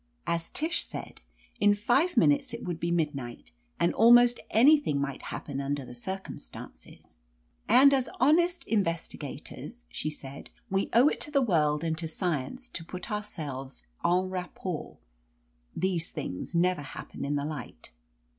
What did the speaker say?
As Tish said, in five minutes it would be midnight, and almost an)rthing might happen under the circum stances. "And as honest investigators," she said, "we owe it to the world and to science to put our selves en rapport. These things never happen in the light."